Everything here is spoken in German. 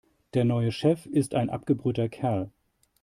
Der neue Chef ist ein abgebrühter Kerl.